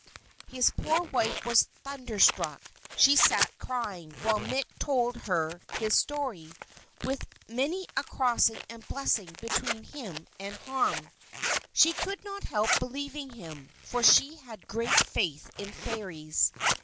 His poor wife was thunderstruck. She sat crying, while Mick told her his story, with many a crossing and blessing between him and harm. She could not help believing him, for she had great faith in Fairies.